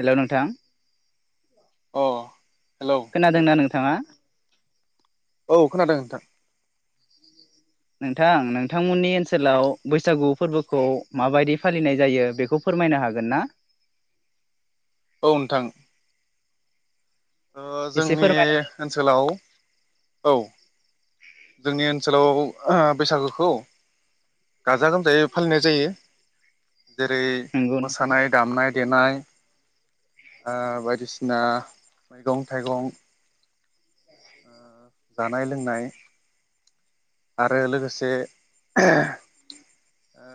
हेल' नोंथां। अ'। हेलौ खोनादोंना नोंथाङा? औ खोनादों नोंथां। नोंथां नोंथांमोननि ओनसोलाव बैसागु फोरबोखौ माबायदि फालिनाय जायो बेखौ फोरमायनो हागोन ना? औ नोंथां। ओ एसे जोंनि फोरमायनानै ओनसोलाव औ। जोंनि ओनसोलाव ओ बैसागोखौ गाजा- गोमजायै फालिनाय जायो। जेरै नंगौ नोंथां मोसानाय दामनाय देनाय ओ बायदिसिना मैगं थाइगं [inaudible] जानाय लोंनाय आरो लोगोसे ओ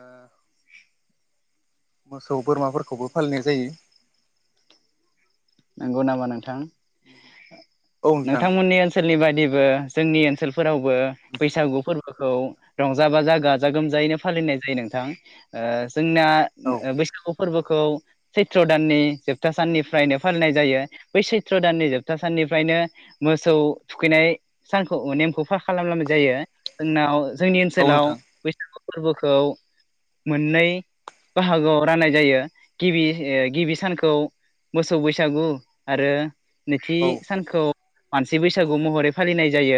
मोसौ बोरमाफोरखौबो फालिनाय जायो। नंगौ नामा नोंथां? औ नोंथां नोंथांमोननि ओनसोलनि बायदिबो जोंनि ओनसोल फोराव बो बैसागु फोरबो गोखौ रंजा बाजा गाजा गोमजायैनो फालिनाय जायो नोंथां ओ ज जोंना औ ओ ओ बैसागु फोरबोखौ सैथ्र' दाननि जोबथा साननिफ्रायनो फालिनाय जायो बै सैथ्र' दाननि जोबथा साननिफ्रायनो मोसौ थुखैनाय सानखौ नेमखौ फा खालामलामनाय जायो जोंनाव जोंनि औ ओनसोलाव नोंथां बैसागु फोरबोखौ मोन्नै बाहागोआव राननाय जायो गिबि ओ गिबि सानखौ मोस सौ बैसागु आरो नैथि औ सानखौ मानसि बैसागु महरै फालिनाय जायो।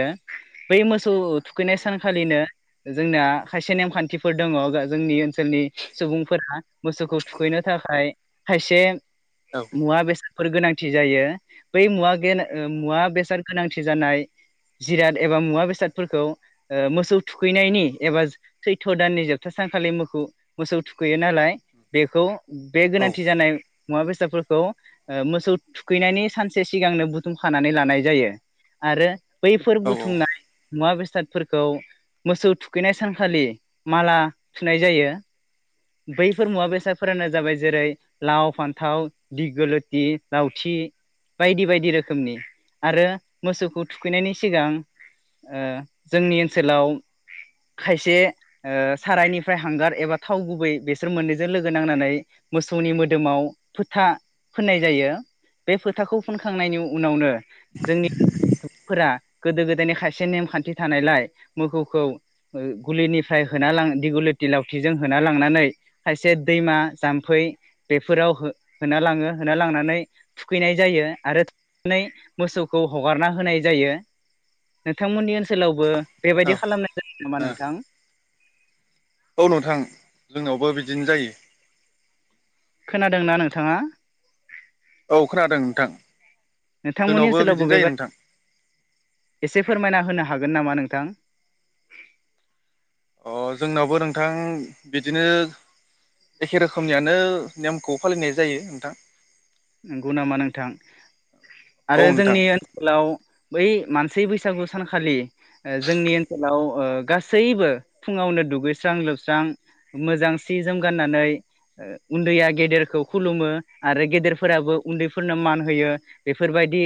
बै मोस खौ औ थुखैनाय सानखालिनो जोंना खायसे नेमखान्थिफोर दङ' गा जोंनि ओनसोलनि सुबुंफोरा मोसौखौ थुखैनो थाखाय खायसे औ मुवा बेसादफोर गोनांथि जायो। बै मुवा [unintelligible] ओ मुवा बेसाद गोनांथि जानाय जिराद एबा मुवा बेसादफोरखौ ओ मोसौ थुखैनायनि एबा जो सैथ' दाननि जोबथा सानखालि मोखो-मोसौ थुखैयो नालाय बेखौ बे गोनांथि जानाय मुङा बेसाफोर खौ ओ मोसौ थुखैनायनि सानसे सिगांनो बुथुमखानानै लानाय जायो आरो बैफोर औ बुथुमनाय मुवा बेस बेसादफोरखौ मोसौ थुखैनाय सानखालि माला थुनाय जायो। बैफोर मुवा बेसादफोरानो जाबाय जेरै लाव, फान्थाव, दिगोलथि लावथि बायदि बायदि रोखोमनि आरो मोसौखौ थुखैनायनि सिगां ओ जोंनि ओनसोलाव खायसे ओ सारायनिफ्राय हांगार एबा थाव गु गुबै बेसोर मोननैजों लोगो नांनानै मोसौनि मोदोमाव फोथा फोननाय जायो। बे फोथाखौ फोनखांनायनि उनावनो जोंनि [inaudible] फोरा गोदो गोदायनि खायसे नेमखान्थि थानायलाय मोखौखौ ओ गुलिनिफ्राय होना दिग'लथि लावथिजों होना लां लांनानै खायसे दैमा जाम्फै बेफोराव हो होना लाङो होना लांनानै थुखैनाय जायो आरो [inaudible] मोसौखौ हगारना होनाय जायो नोंथांमोननि ओनसोलावबो बेबायदि औ खालामनाय जायो नामा ओ नों थां? औ नोंथां। जोंनावबो बिदिनो जायो। खोनादोंना नोंथाङा औ खोनादों नोंथां नोंथांमोननि जोंनावबो ओनसोलाव बिदिनो जायो बेबा नोंथां [inaudible] एसे फोरमायना होनो हागोन नामा नों थां अ जोंनावबो नोंथां बिदिनो एखे रोखोमनियानो नेमखौ फालिनाय जायो नोंथां। नंगौ नामा नोंथां औ आरो नोंथां जोंनि ओनसोलाव बै मान से बैसागु सानखालि ओ जोंनि ओनसोलाव ओ गासैबो फुङावनो दुगैस्रां लोबस्रां मोजां सि जोम गाननानै ओ उन्दैया गेदेरखौ खुलुमो आरो गेदेर फोराबो उन्दैफोरनो मान होयो बेफोरबायदि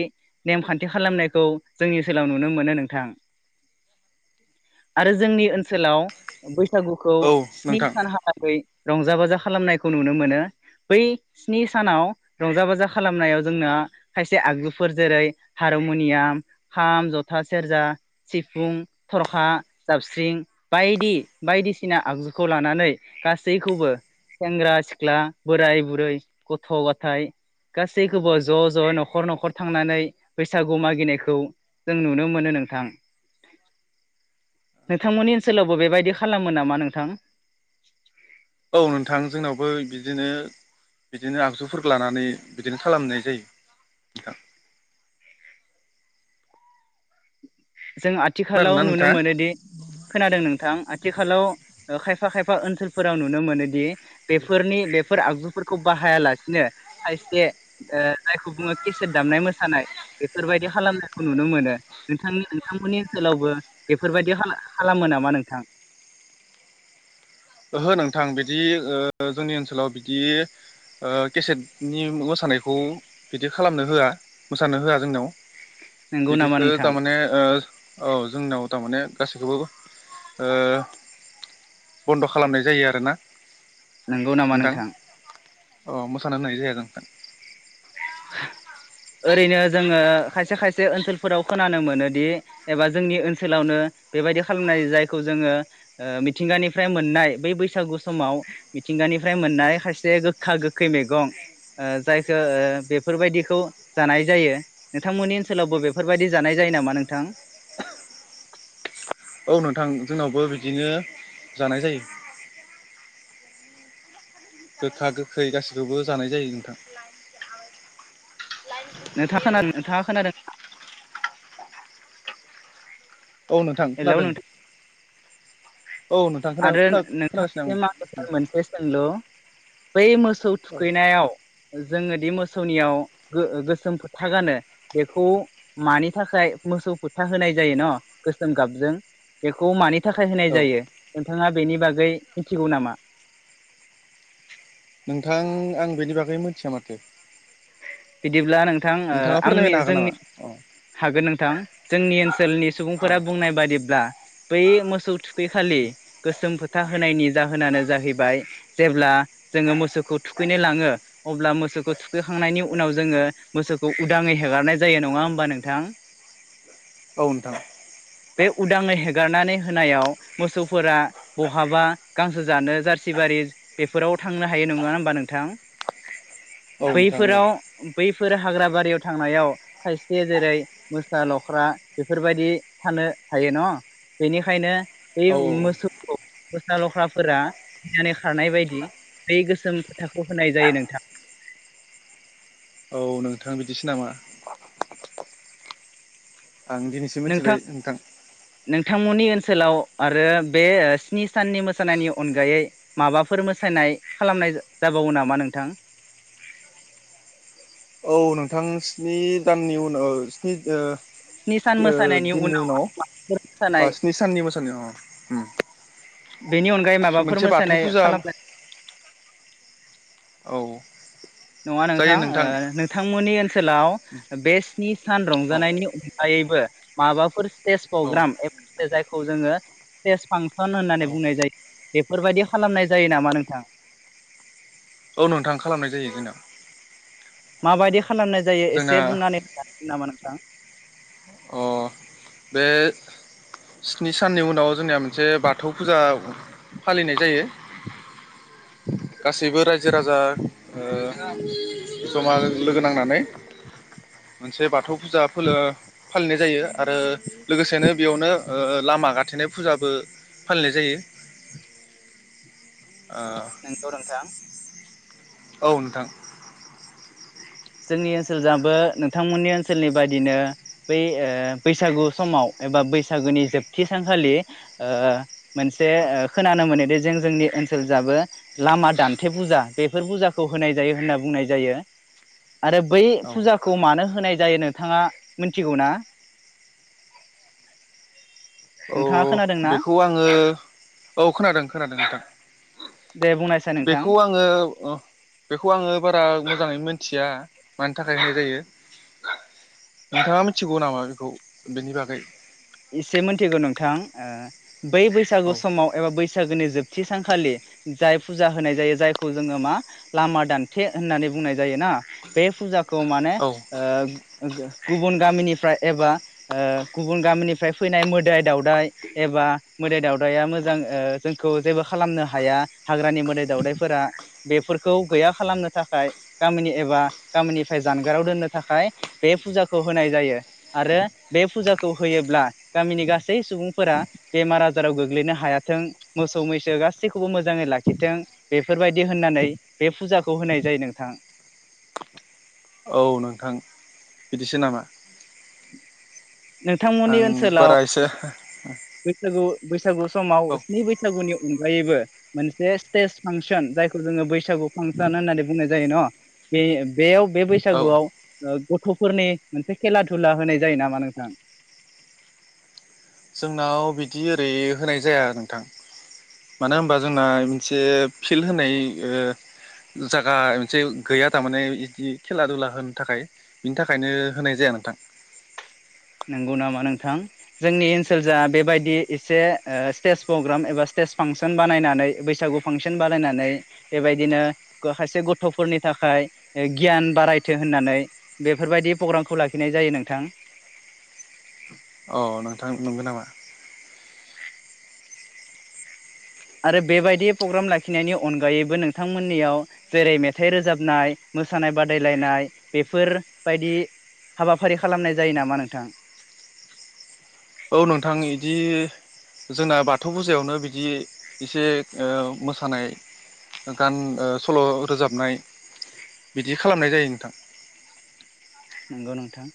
नेमखान्थि खालामनायखौ जोंनि ओनसोलाव नुनो मोनो नोंथां। आरो जोंनि ओनसोलाव बै बैसागुखौ औ स्नि नोंथां सानहालागै रंजा बाजा खालामनायखौ नुनो मोनो बै स्नि सानाव रंजा बाजा खालामनायाव जोंना खायसे आगजुफोर जेरै हारम'नियाम खाम जथा सेरजा सिफुं थरखा जाबस्रिं बायदि बायदिसिना आगजुखौ लानानै गासैखौबो सेंग्रा सिख्ला बोराय बुरै गथ' ग [inaudible] थाय गासैखौबो ज' ज' न'खर न'खर थांनानै बैसागु मागिनायखौ जों नुनो मोनो नोंथां। नोंथांमोननि ओनसोलावबो बेबायदि खालामो नामा नोंथां? औ नोंथां जोंनावबो बिदिनो बिदिनो आगजुफोर लानानै बिदिनो खालामनाय जायो नोंथां। जों आथिखालाव खोनादोंना नुनो नोंथाङा मोनोदि खोनादों नोंथां आथिखालाव ओ खायफा खायफा ओनसोलफोराव नुनो मोनोदि बेफोरनि बेफोर आगजुफोरखौ बाहायालासिनो खायसे ओ जायखौ बुङो केसेट दामनाय मोसानाय बेफोरबायदि खालामनायखौ नुनो मोनो नोंथांनि नोंथांमोननि ओनसोलावबो बेफोरबायदि खा खालामो नामा नोंथां? ओहो नोंथां बिदि ओ जोंनि ओनसोलाव बिदि ओ केसेटनि मोसानायखौ बिदि खालामनो होआ मोसानो होआ जोंनियाव। नंगौ नामा बिदिखो नोंथां थारमाने ओ औ जोंनाव थारमाने गासिखोबो ओ बन्द' खालामनाय जायो आरोना। नोंगौ नामा नोंथां? अ मोसानाय नायजाया नोंथां। [inaudible] ओरैनो जोङो खायसे खायसे ओनसोलफोराव खोनानो मोनोदि एबा जोंनि ओनसोलावनो बेबायदि खालामनाय जायखौ जोङो‌ ओ मिथिंगानिफ्राय मोननाय बै बैसागु समाव मिथिंगानिफ्राय मोननाय खायसे गोखा गोखै मेगं ओ जायखो ओ बेफोरबायदिखौ जानाय जायो। नोंथांमोननि ओनसोलावबो बेफोरबायदि जानाय जायो नामा नोंथां? औ नोंथां जोंनावबो बिदिनो जानाय जायो। गोखा गोखै गासिखौबो जानाय जायो नोंथां। नोंथाङा खोनादो नोंथाङा खोनादों? औ नोंथां हेलौ खोनादों। नोंथां औ नोंथां खोना आरो खोना खोनागासिनो नोंथांनिस आंनि मोनसे सोंलु। बै मो सौ आं थुखैनायाव जोङो दि मोसौनियाव गो-गोसोम फोथा गानो बेखौ मानि थाखाय मोसौ फोथा होनाय जायो न गोसोम गाबजों बेखौ मानि थाखाय होनाय औ जायो? नोंथाङा बेनि बागै मिथिगौ नामा? नोंथां आं बेनि बागै मिथिया माथो। बिदिब्ला नों थां ओ नोंथाङा आंनि फोरमायनो हागोन जोंनि नामा अ हागोन नोंथां। जोंनि ओनसोलनि सुबुंफोरा बुंनाय बादिब्ला बै मोसौ थुखैखालि गोसोम फोथा होनायनि जाहोनानो जाहैबाय जेब्ला जोङो मोसौखौ थुखैनो लाङो अब्ला मोसौखौ थुखैखांनायनि उनाव जोङो मोसौखौ उदाङै हेगारनाय जायो नङा होमबा नोंथां? औ नोंथां। बे उदांङै हेगारनानै होनायाव मोसौफोरा बहाबा गांसो जानो जार्सिबारि बेफोराव थांनो हायो नङा होमबा नोंथां? औ नोंथां औ बैफोराव बैफोर हाग्रा बारियाव थांनायाव खायसे जेरै मोसा लख्रा बेफोरबायदि थानो हायो न' बेनिखायनो औ [unintelligible] मोसा लख्राफोरा गिनानै खारनाय बायदि बै गोसोम फोथाखौ होनाय जायो नोंथां। औ नोंथां बिदिसो नामा? आं दिनैसो मिथिबाय नोंथां। थांमोननि ओनसोलाव आरो बे स्नि साननि मोसानायनि अनगायै माबाफोर मोसानाय खालामनाय जाबावो नामा नोंथां? औ नोंथां स्नि दाननि उनाव ओ स्नि ओ स्नि सान ओ मोसानायनि दिननि उनाव मोसानाय ओ स्नि साननि मोसानायाव अ उम बेनि अनगायै माबाफोर मोनसे बाथौ मोसानाय फुजा खालामनाय औ नङा नोंथां ओ नोंथांमोननि ओनस ओनसोलाव बे स्नि सान औ रंजानायनि अनगायैबो माबाफोर स्टेज प्रग्राम औ एबा जायखौ जोङो स्टेज फांसन होननानै बुंनाय जायो बेफोरबायदि खालामनाय जायो नामा नोंथां? औ नोंथां खालामनाय जायो जोंनिया माबायदि खालामनाय जायो एसे बुंनानै [unintelligible] नामा नोंथां? अ बे स्नि साननि उनाव जोंनिया मोनसे बाथौ फुजा फालिनाय जायो। गासैबो रायजो राजा ओ जमा लोगो नांनानै मोनसे बाथौ फुजा फोलो फालिनाय जायो आरो लोगोसेनो बेयावनो ओ लामा गाथेनाय फुजाबो फालिनाय जायो। ओ नोंगौ नोंथां। औ नोंथां। जोंनि ओनसोल जाबो नोंथांमोननि ओनसोलनि बायदिनो बै ओ बैसागु समाव एबा बैसागुनि जोबथि सानखालि ओ मोनसे ओ खोनानो मोनोदि जों जोंनि ओनसोल जाबो लामा दान्थे फुजा बेफोर फुजाखौ होनाय जायो होनना बुंनाय जायो। आरो बै औ फुजाखौ मानो होनाय जायो नोंथाङा मिथिगौ ना? औ नोंथां बेखौ आङो औ खोनादों खोनादों नोंथां। दे बुंनायसाय नोंथां बेखौ आङो ओ बेखौ आङो बारा मोजाङै मोनथिया मानि थाखाय होनाय जायो नोंथाङा मिथिगौ नामा बेखौ? बेनि बागै इसे मोनथिगो नोंथां। ओ बै औ बैसागु समाव एबा बैस बैसागोनि जोबथि सानखालि जाय फुजा होनाय जायो जायखौ जोङो मा लामा दान्थे होननानै बुंनाय जायो ना बे फुजा खौ माने औ ओ ओ गुबुन गामिनिफ्राय एबा ओ बे फुजाखौ होयोब्ला गामिनि गा औ नोंथां बिदिसो नामा? नोंथांमोननि आं ओनसोलाव बारा एसे बैसागु बैसागु औ समाव स्नि बैसागुनि अनगायैबो मोनसे स्टेज फांसन जायखौ जोङो बैसागु फांसन होननानै बुंनाय जायो न बे बेयाव बे औ बैसागोआव गथ'फोरनि मोनसे खेला थुला होनाय जायो नामा नों थां जोंनाव बिदि ओरै होनाय जाया नोंथां मानो होमबा जोंना मोनसे फिल्ड होनाय ओ जागा मोनसे गैया थारमाने बिदि खेला दुला होनो थाखाय बिनि थाखायनो होनाय जाया नोंथां। नोंगौ नामा नोंथां जोंनि ओनसोल जा बेबायदि एसे ओ स्टेज प्रग्राम एबा स्टेज फांसन बानायनानै बैसागु फांसन बानायनानै बेबायदिनो खायसे गथ'फोरनि थाखाय गियान बारायथो होननानै बेफोरबायदि प्रग्रामखौ लाखिनाय जायो नोंथां। [inaudible] औ नोंथां नोंगो नामा? आरो बेबायदि प्रग्राम लाखिनायनि अनगायैबो नोंथांमोननियाव जेरै मेथाइ रोजाबनाय मोसानाय बादायलायनाय बेफोर बायदि हाबाफारि खालामनाय जायो नामा नोंथां? औ नोंथां इदि जोंना बाथौ फुजायावनो बिदि इसे मोसानाय गान ओ सल' रोजाबनाय बिदि खालामनाय जायो नोंथां। नंगौ नोंथां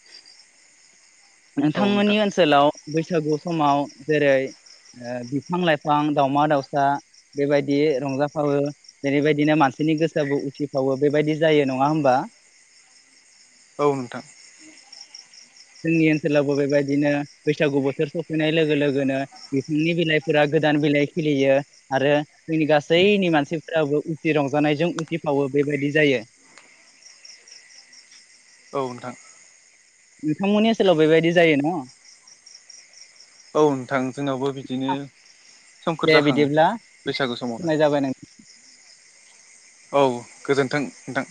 नोंथांमोननि ओनसोलाव बैसागु समाव जेरै ओ बिफां लाइफां दावमा दावसा बेबायदि रंजाफावो जेरैबायदिनो मानसिनि गोसोआबो उसिफावो बेबायदि जायो नङा होमबा? औ नोंथां जोंनि ओनसोलावबो बेबायदिनो बैसागु बोथोर सफैनाय लोगो लोगोनो बिफांनि बिलाइफोरा गोदान बिलाइ खिलियो आरो जोंनि गासैनि मानसिफोराबो खुसि रंजानायजों उसिफावो बेबायदि जायो। औ नोंथां नोंथांमोननि ओनसोलाव बेबायदि जायो न? औ नोंथां जोंनावबो बिदिनो सोमखोर दे जाखाङो बिदिब्ला बैसागो समावनो होनाय जाबाय नों औ गोजोन्थों नोंथां